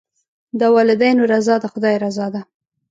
د والدینو رضا د خدای رضا ده.